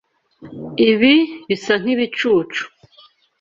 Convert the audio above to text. Ibi bisa nkibicucu.